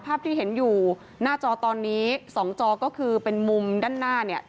ภาพที่เห็นอยู่หน้าจอตอนนี้สองจอก็คือเป็นมุมด้านหน้าเนี่ย